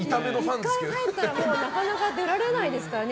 １回入ったらなかなか出られないですからね。